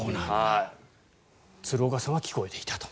鶴岡さんは聴こえていたと。